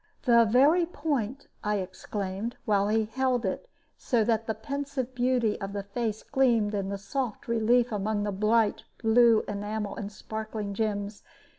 "The very point," I exclaimed, while he held it so that the pensive beauty of the face gleamed in soft relief among bright blue enamel and sparkling gems.